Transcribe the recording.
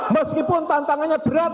meskipun tantangannya berat